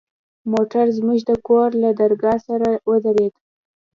موټر زموږ د کور له درگاه سره ودرېد.